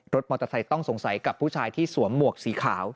มอเตอร์ไซค์ต้องสงสัยกับผู้ชายที่สวมหมวกสีขาว